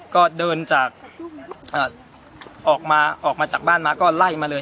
ก็เดินจากออกมาออกมาจากบ้านมาก็ไล่มาเลย